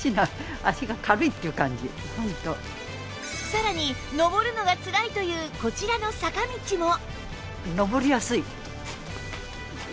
さらに上るのがつらいというこちらの坂道も